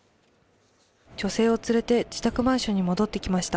女性を連れて自宅マンションに戻ってきました